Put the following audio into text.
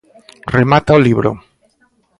Remata o libro.